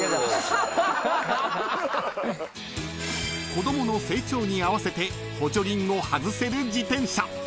［子供の成長に合わせて補助輪を外せる自転車］